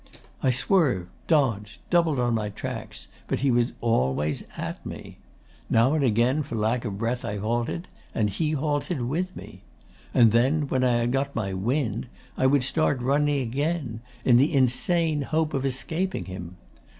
'I swerved, dodged, doubled on my tracks, but he was always at me. Now and again, for lack of breath, I halted, and he halted with me. And then, when I had got my wind, I would start running again, in the insane hope of escaping him.